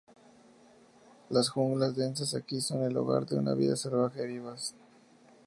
Las junglas densas aquí son el hogar de una vida salvaje vivaz.